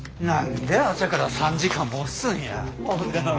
何で朝から３時間も押すんや。